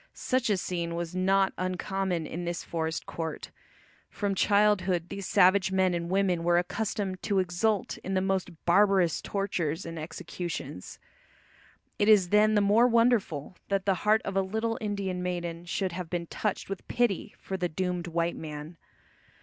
Such a scene was not uncommon in this forest court. From childhood these savage men and women were accustomed to exult in the most barbarous tortures and executions. It is then the more wonderful that the heart of a little Indian maiden should have been touched with pity for the doomed white man.